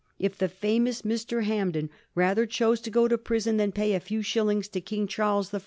...* If the famous Mr. Hampden rather chose to go to prison than pay a few shillings to King Charles I.